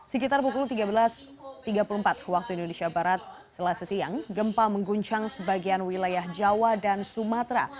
sekitar pukul tiga belas tiga puluh empat waktu indonesia barat selasa siang gempa mengguncang sebagian wilayah jawa dan sumatera